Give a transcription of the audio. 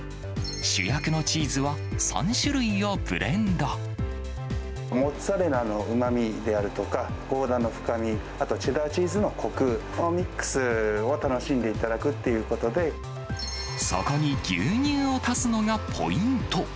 主役のチーズは、３種類をブレンモッツァレラのうまみであるとか、ゴーダの深み、あとチェダーチーズのこくのミックスを楽しんでいただくっていうそこに牛乳を足すのがポイン